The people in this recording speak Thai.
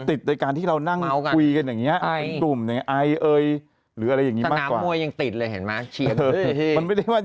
ติดไว้การที่เรานั่งเคียงพิกัดนี้ไอหรืออะไรอย่างนี้ไม่